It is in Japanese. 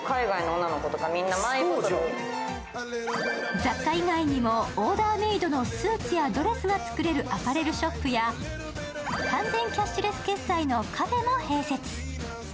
雑貨以外にもオーダーメイドのスーツやドレスが作れるアパレルショップや完全キャッシュレス決済のカフェも併設。